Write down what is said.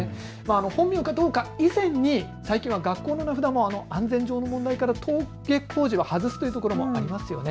本名かどうか以前に最近は学校の名札も安全上の問題から登下校時は外すというところもありますよね。